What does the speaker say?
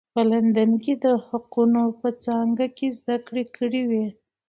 په لندن کې یې د حقوقو په څانګه کې زده کړې کړې وې.